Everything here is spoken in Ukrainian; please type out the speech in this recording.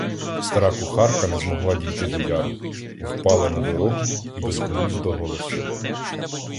Стара кухарка не змогла дійти до яру, впала на дорогу і безглуздо голосила.